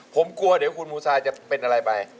ผมกลัวเดี๋ยวคุณมูซาจะเป็นอะไรไป